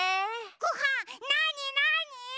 ごはんなになに？